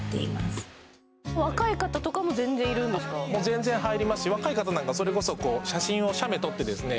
全然入ります若い方なんかそれこそ写真を写メ撮ってですね